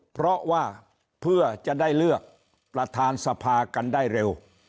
เพราะว่าเพื่อจะได้เลือกประธานสภากันได้เร็ว